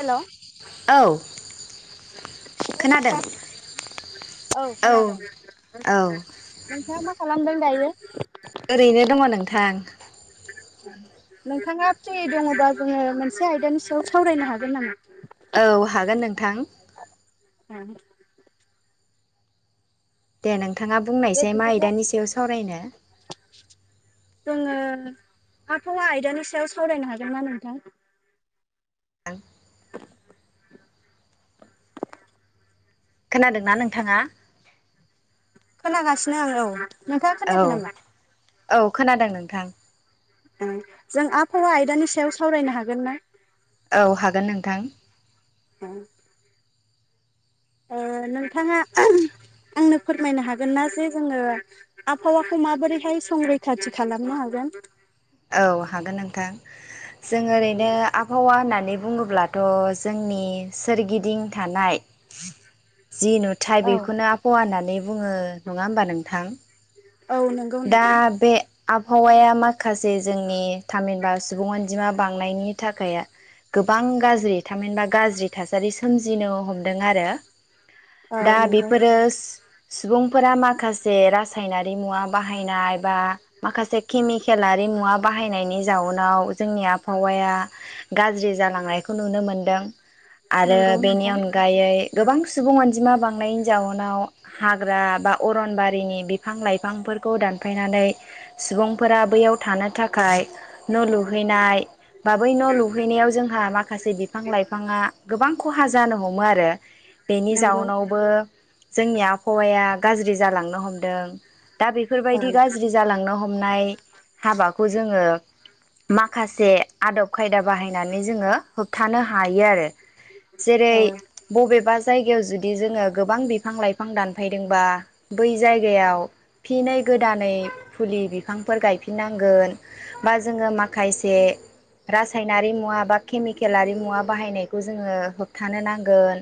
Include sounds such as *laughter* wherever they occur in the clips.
हेल' औ औ खोनादों *unintelligible* औ औ नोंथाङा मा खालामदों दायो? ओरैनो दङ नोंथां नोंथाङा फ्रि दङबा जोङो मोनसे आयदानि सायाव सावरायनो हागोन नामा? औ हागोन नोंथां। उम दे नों नोंथाङा दे बुंनायसै मा बिदिब्ला आयदानि सायाव सावरायनो? जोङो आबहावा आयदानि सायाव सावरायनो हागोनना नोंथां? *inaudible* खोनादोंना नोंथाङा खोनागासिनो आं औ नोंथांआ औ खोनायाखै नामा? औ खोनादों नोंथां जों आबहावा आयदानि सायाव सावरायनो हागोन ना? औ हागोन नोंथां। *inaudible* ओ नोंथाङा आंनो फोरमायनो हागोन ना जे जोङो आबहावाखौ माबोरैहाय संरैखाथि खालामनो हागोन? औ हागोन नोंथां जों ओरैनो आबहावा होननानै बुङोब्लाथ' जोंनि सोरगिदिं थानाय जि नुथाय औ बेखौनो आबहावा होननानै बुङो नङा ओमबा नोंथां? औ नंगौ नोंथां। दा बे आबहावाया मा खासे जोंनि थामहिनबा सुबुं अनजिमा बांनायनि थाखाय गोबां गाज्रि थामहिनबा गाज्रि थासारि सोमजिनो हमदों आरो औ दा नंगौ बेफोरो सुबुंफोरा माखासे रासायनारि मुवा बाहायनाय बा माखासे केमिक खेलारि मुवा बाहायनायनि जाउनाव जोंनि आबहावाया गाज्रि जालांनायखौ नुनो मोनदों आरो नंगौ बेनि नोंथां अनगायै गोबां सुबुं अनजिमा बांनायनि जाउनाव हाग्रा बा अरनबारिनि बिफां लाइफांफोरखौ दानफायनानै सुबुंफोरा बैयाव थानो थाखाय न' लुहैनाय बा बै न' लुहैनायाव जोंहा माखासे बिफां लाइफाङा गोबां खहा जानो हमो आरो बेनि नंगौ जाउनावबो जोंनि आबहावाया गाज्रि जालांनो हम दों दा औ बेफोरबायदि गाज्रि जालांनो हमनाय हाबाखौ जोङो माखासे आदब खायदा बाहायनानै जोङो होबथानो हायो आरो जेरै औ बबेबा जायगायाव जुदि जोङो गोबां बिफां लाइफां दानफैदोंबा बै जायगायाव फेनायब दानै फुलि बिफांफोर गायफि नांगोन बा जोङ मसे रायनारि मुवा बा केमिकेलारि मुवा बाहायनायखौ जोङ होबथानो नांगोन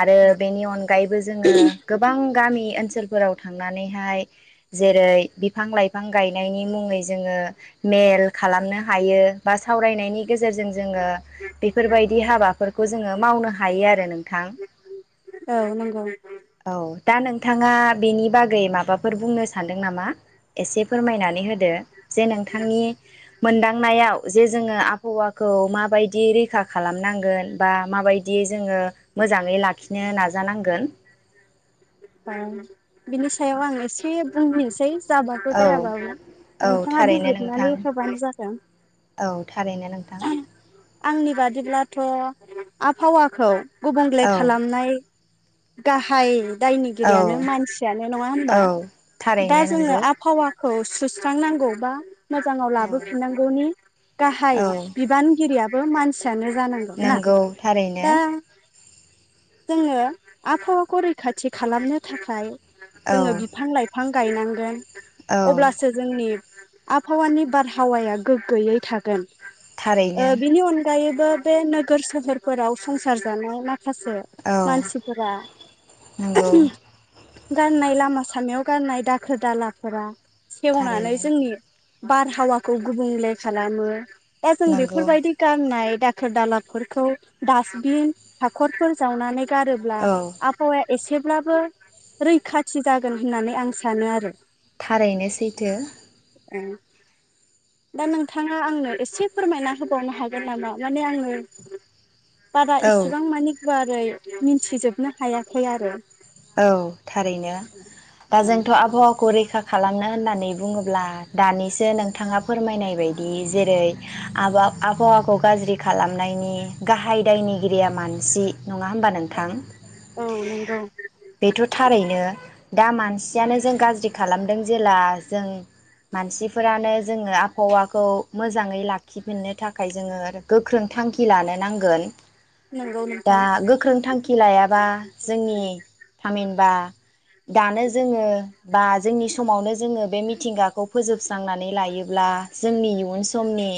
आरो बेनि अनगायैबो जोङो गोबां गामि ओनसोलफोराव थांनानैहाय जेरै बिफां लाइफां गायनायनि मुङै जों मेल खालामनो हायो आरो सावरायनायनि गेजेरजों जोङ बेफोरबायदि हाबाफोरखौ जों मावनो हायो आरो नोंथां औ नंगौ औ दा नोंथाङा बेनि बागै माबाफोर बुंनो सानदों नामा एसे फोरमायनानै होदो। जे नोंथांनि मोनदांनायाव जे जोङो आबहावाखौ माबायदि रैखा खालामनांगोन बा माबायदि जोङो मोजाङै लाख लाखिनो नाजानांगोन। औ बिनि सायाव आं एसे बुंसै । जाब' औ जायाबाबो औ नोंथाङा थारैनो बिजिरनानै नोंथां होबानो जागोन। औ थारैनो नोंथां आंनि बादिब्लाथ' आबहावाखौ गुबुंलले औ खालामनाय गाहाय औ दायनिगिरियानो मानसियानो नङा होमबा औ दा थारैनो जोङो नंगौ आबहावा औ सुस्रांनांगौबा। मोजाङाव औ लाबोफिननांगौनि गाहाय औ बिबानगिरिया बो मानसि जांगौ ना नंगौ थारैनो दा जोङो आबहावाखौ रैखाथि खालामनो थाखाय औ जोङो बिफां लाइफां बिफां गायनांगोन। औ अब्लासो जोंनि आबहावानि बारहावाया गोग्गोयै थागोन। थारैनो ओ बिनि अनगायै बो नोगोर सहोरफोराव संसार जानाय माखासे औ मानसिफोरा। नंगौ गारनाय लामा सामायाव गारनाय दाखोर दालाफोरा सेवनानै थारैनो जोंनि बारहावाखौ गुबुंलाय खालामो। दा जों नंगौ बेफोरबायदि गारनाय। दाखोर दालाबफोरखौ दासटबिन हाखरफोर जावनानै गारोब्ला औ आबहावाया एसे अब्लाबो रैखाथि जागोन होननानै आं सानो आरो । थारैनो सैथो। ओं दा नोंथाङा आंनो एसे फोरमायना होबावनो हागोन नामा माने आङो बारा औ इसेबां मानि गुवारै मिथिजोबनो हायाखै आरो? औ थारैनो दा जोंथ' आबहावाखौ रैखा खालामनो होननानै बुङोब्ला दानिसो नोंथाङा फोरमायनाय बायदि जेरै आबा आबहावाखौ गाज्रि खालामनायनि गाहाय दायनिगिरिया मानसि । नङा होमबा नोंथां? औ नंगौ बेथ' थारैनो दा मानसियानो जों गाज्रि खालामदों जेब्ला जों मानसिफोरानो जोङो आबहावाखौ मोजाङै लाखिफिननो थाखाय जोङो गोख्रों थांखि लानो नांगोन नंगौ दा नोंथां गोख्रों थांखि लायाबा जोंनि थामहिनबा दानो जोङो बा जोंनि समावनो जोङो बे मिथिंगाखौ फोजोबस्रांनानै लायोब्ला जोंनि इयुन समनि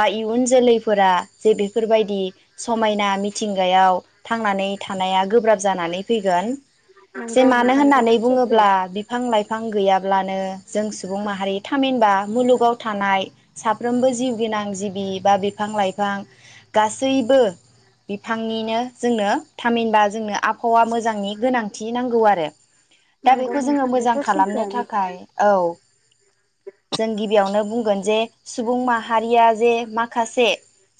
बा इयुन जोलैफोरा जे बेफोरबायदि समायना मिथिंगायाव थांनानै थानाया गोब्राब जानानै फैगोन । जे नंगौ मानो नोंथां होननानै बेथ' सैथो बुङोब्ला बिफां लाइ फां गैयाब्लानो जों सुबुं माहारि थामहिनबा मुलुगाव थानाय साफ्रोमबो जिउ गोनां जिबि बा बिफां लाइफां गासैबो बिफांनिनो जोंनो थामहिनबा जोंनो आबहावा मोजांनि गोनां थि नांगौ आरो । दा नंगौ बेखौ जोङो नोंथां बेथ' मोजां खालामनो सैथोआनो थाखाय औ जों गिबियावनो बुंगोन जे सुबुं माहारिया जे माखासे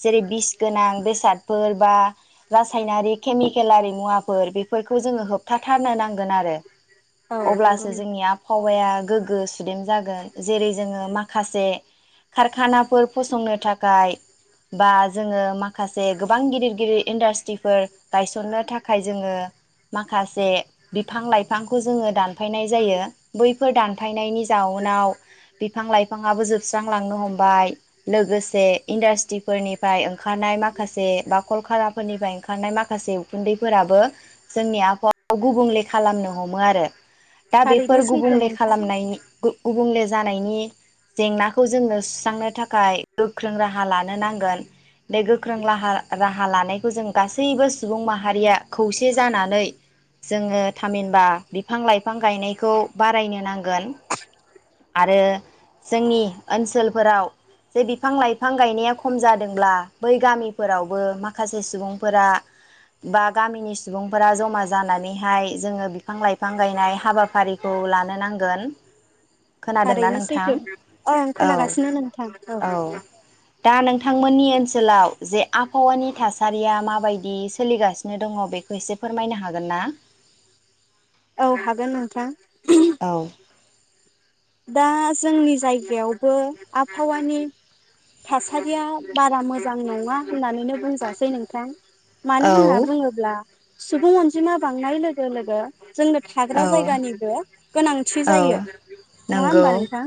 जेरै बिस गोनां बेसादफोर बा रासायनारि केमिकेलारि मुवाफोर बेफोरखौ जों होबथाथारनो नांगोन आरो औ नंगौ अब्लासो नोंथां जोंनि आबहावाया गोग्गो सुदेम जागोन । जेरै जोङो माखासे कारखानाफोर फसंनो थाखाय बा जोङो माखासे गोबां गिदिर गिदिर इन्डास्ट्रिफोर गायसननो थाखाय जोङो मा माखासे बिफां लाइफांखौ जोङो दानफायनाय जायो बैफोर दानफायनायनि जाउनाव बिफां लाइफाङाबो जोबस्रांलांनो हमबाय लोगोसे इन्डास्ट्रिफोरनिफ्राय ओंखारनाय माखासे बा कलकाराफोरनिफ्राय ओंखारनाय माखासे उखुन्दैफोराबो जोंनि आब वाखौ गुबुंले खालामनो हमो आरो । दा थारैनो बेफोर सैथो गुबुंले नोंथां खालामनाय गुबुंले जानायनि जेंनाखौ जोंनो सुस्रांनो थाखाय गोख्रों राहा लानो नांगोन बे गोख्रों लाहा राहा लानायखौ जों गासैबो सुबुं माहारिया खौसे जानानै जोङो थामहिनबा बिफां लाइफां गायनायखौ बारायनो नांगोन आरो जोंनि ओनसोलफोराव जे बिफां लाइफां गायनाया ख खम जादोंब्ला बै गामिफोरावबो माखासे सुबुंफोरा बा गामिनि सुबुंफोरा जमा ज नानैहाय जोङो बिफां लाइफां गायनाय हाबाफारिखौ लानो नांगोन खोनादोंना थारैनो नोंथां सैथो ओं औ खोनागासिनो नोंथां औ दा नोंथांमोननि ओनसोलाव जे आबहावानि थासारिया माबायदि सोलिगासिनो दङ बेखौ एसे फोरमायनो हा गोनना औ हागोन नोंथां औ दा जोंनि जायगायावबो आबहावानि थासारिया बारा मोजां नङा होननानैनो बुंजासै नोंथां मानो होनना औ बुङोब्ला सुबुं अनजिमा बांनाय लोगो लोगो जोंनो थाग्रा औ जायगानिबो गोनांथि जायो औ नङा होनबा नंगौ नोंथां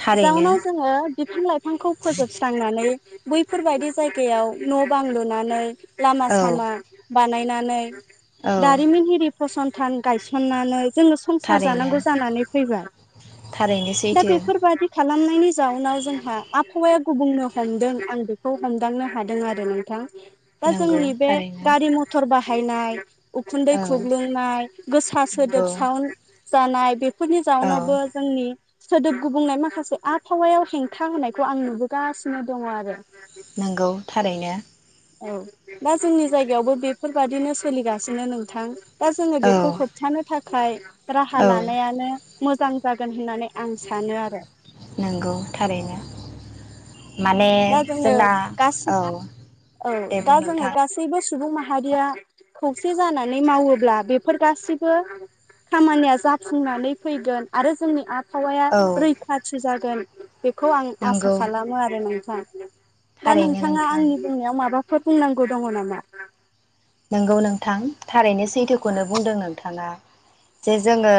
थारैनो जाउनाव जोङो बिफां लाइ बिफांखौ फोजोबस्रांनानै बैफोर बायदि जायगायाव न' बां लुनानै लामा औ सामा बानाय फायनानै औ दारिम हिरि फसंथान गायसननानै जोङो संसार थारैनो जानांगौ जानानै फैबाय थारैनो दा सैथो बेफोरबादि खालामनायनि जाउनाव जोंहा आबहावाया गुबुंनो हमदों आं बेखौ हमदांनो हादों आरो नोंथां दा नंगौ जोंनि बे थारैनो गारि मथर बा फाइनाय उखुन्दै औ खुग्लुंनाय गोसा नंगौ सोदोबसावन जानाय बे बेफोरनि जाव औ नावबो सोदोब गुबुंनाय माखासे आबहावायाव हेंथा होनायखौ आं नुबोगासिनो दङ आरो नोंगौ थारैनो औ दा जोंनि जायगायावबो बेफोरबादिनो सोलिगासिनो नोंथां दा जोङो बेखौ औ होबथानो थाखाय खाय राहा औ लानायानो मोजां जागोन होननानै आं सानो आरो। नंगौ थारैनो। माने दा जोङो जोंना गासै औ औ दे दा बुं जोङो नोंथां गासैबो सुबुं माहारिया खौसे जानानै मावोब्ला बेफोर गासिबो खामानिया जाफुंनानै फैगोन। आरो जोंनि आबहावया औ रैखाथि जागोन। बेखौ आं आसा नंगौ खालामो आरो ना। दा थारैनो नोंथाङा नोंथां आंनि बुंनायाव माबा फोर बुंनांगौ दङ नामा? नंगौ नोंथां थारैनो सैथोखौनो बुंदों नोंथाङा। जे जोङो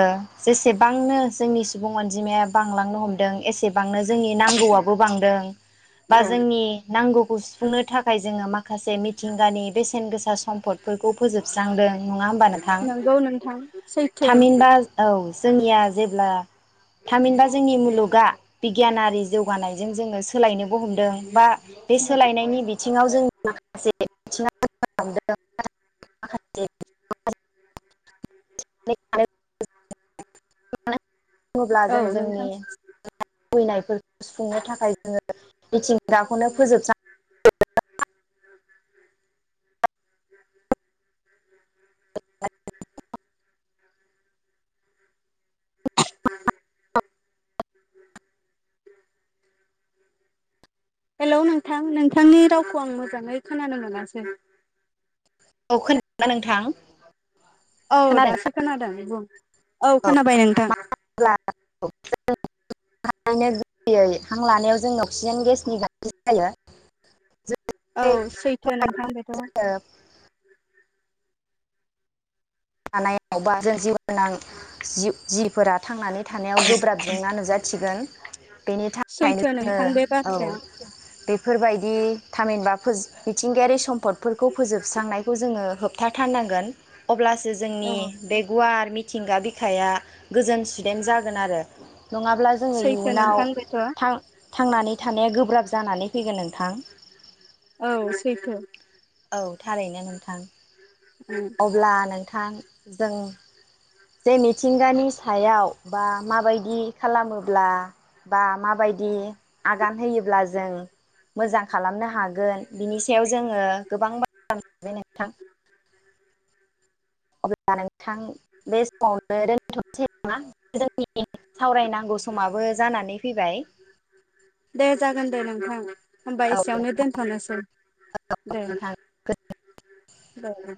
जेसेबांनो जोंनि सुबुं अनजिमाया बांलांनो हमदों एसेबांनो जोंनि नांगौआबो बांदों बा औ जोंनि नांगौ खौ सुफुंनो थाखाय जोङो माखासे मिथिंगानि बेसेन गोसा सम्पदफोरखौ फोजोबस्रांदों नङा हो म्बा नोंथां? नंगौ नोंथां सैथो थामहिनबा औ जोंनिया जेब्ला थामिनबा जोंनि मुलुगा बिगियानारि जौगानायजों जोङो सोलायनोबो हमदों बा बे सोलायनायनि बिथि ङाव जोंनि *unintelligible* *unintelligible* जेब्ला औ जों जोंनि नोंथां लुगैनायफोरखौ सुफुंनो थाखाय जोङो मिथिंगाखौनो फोजोबस्रां *unintelligible* *unintelligible* हेलौ नोंथां नोंथांनि रावखौ आं मोजाङै खोनानो मोनासै? औ खोनादों ना नोंथां? औ दासो खोनादोंना खोनादों बुं? औ खोनाबाय नोंथां। मानो *unintelligible* हां लानायाव जोंनो अक्सिजेन गेसनि गोनाथि जायो। औ सैथो नोंथां बेथ' थानायाव बा जों जिउ गोनां जि-जिफोरा थांनानै थानायाव गोब्राब जेंना नुजाथिगोन। बेनि थाखायनो सैथो जोङो नोंथां औ बाथ्राया बे बेफोरबायदि थामहिनबा फोस‌ मिथिंगायारि सम्पदफोरखौ फोजोबस्रांनायखौ जोङो होबथाथारनांगोन। अब्लासो जोंनि औ बे गुवार मि थिंगा बिखाया गोजोन सुदेम जागोन आरो। नङाब्ला जोङो सैथो इयुनाव नोंथां बेथ' थां थांनानै थानाया गोब्राब जानानै फैगोन नोंथां। औ सैथो। औ थारैनो नोंथां। उम अब्ला नों थां जों जे मिथिंगानि सायाव बा माबायदि खालामोब्ला बा माबायदि आगान होयोब्ला जों मोजां खालामनो हागोन बिनि सायाव जोङो गोबां *unintelligible* नोंथां। *unintelligible* थां बे समावनो दोनथ'नोसै नामा जोंनि सावरायनांगौ समाबो जानानै फैबाय दे जागोन दे नोंथां। होमबा औ एसेयावनो नोंथां दोनथ'नोसै दे नोंथां दे